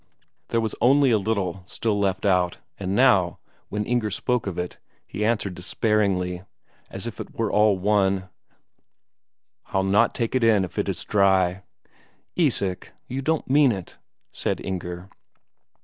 There was only a little still left out, and now, when Inger spoke of it, he answered despairingly, as if it were all one, "I'll not take it in if it is dry." "Isak, you don't mean it!" said Inger.